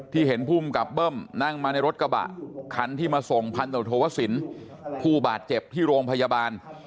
เห็นภูมิกับเบิ้มนั่งมาในรถกระบะคันที่มาส่งพันธุวสินผู้บาดเจ็บที่โรงพยาบาล